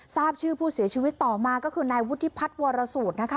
ทราบชื่อผู้เสียชีวิตต่อมาก็คือนายวุฒิพัฒน์วรสูตรนะคะ